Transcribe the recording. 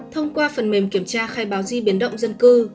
thông qua phần mềm kiểm tra khai báo di biến động dân cư